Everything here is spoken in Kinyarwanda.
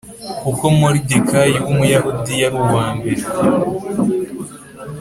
Kuko Moridekayi w Umuyahudi yari uwa mbere